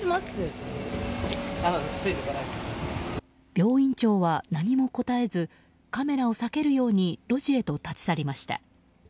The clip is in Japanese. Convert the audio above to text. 病院長は何も答えずカメラを避けるように路地へと立ち去りました。